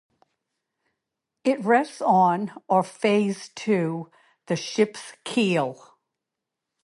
It rests on or "fays to" the ship's keel.